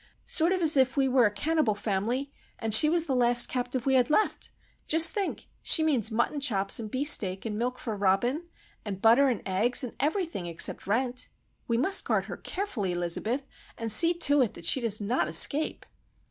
"Sort of as if we were a Cannibal family, and she was the last captive we had left. Just think, she means muttonchops, and beefsteak, and milk for Robin, and butter, and eggs, and everything except rent! We must guard her carefully, Elizabeth, and see to it that she does not escape!"